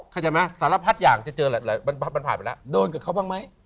เข้าใจไหมสารพัดอย่างจะเจอมันผ่านไปแล้วโดนกับเขาบ้างไหม